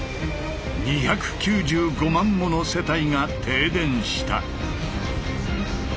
２９５万もの世帯が停電した。